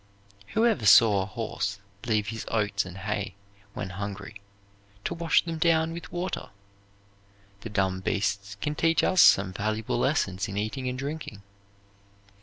Who ever saw a horse leave his oats and hay, when hungry, to wash them down with water? The dumb beasts can teach us some valuable lessons in eating and drinking.